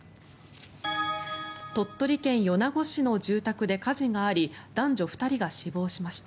鳥取県米子市の住宅で火事があり男女２人が死亡しました。